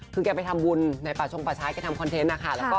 คือเองไปทำบุญในปลาชงประชายคือทำเป็นอีกบาทนะค่ะ